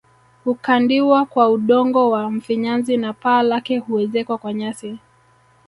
Hukandikwa kwa udongo wa mfinyanzi na paa lake huezekwa kwa nyasi